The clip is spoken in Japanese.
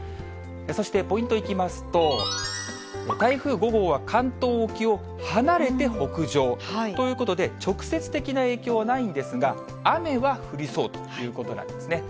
そしてポイントいきますと、台風５号は関東冲を離れて北上、ということで、直接的な影響はないんですが、雨は降りそうということなんですね。